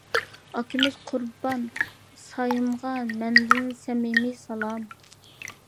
ئاكىمىز قۇربان سايىمغا مەندىن سەمىمىي سالام!